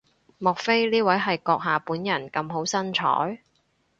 莫非呢位係閣下本人咁好身材？